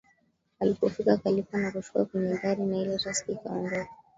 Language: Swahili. Alipofika akalipa na kushuka kwenye gari na ile taksi ikaondoka